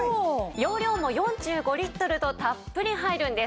容量も４５リットルとたっぷり入るんです。